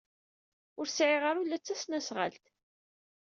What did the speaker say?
Ur sɛiɣ ara ula d tasnasɣalt.